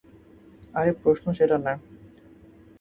আরে প্রশ্ন সেটা না।